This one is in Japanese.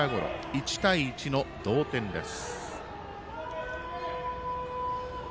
１対１の同点です。